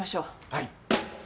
はい。